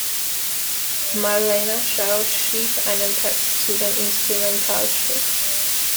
Marlena Shaw schrieb einen Text zu dem Instrumentalstück.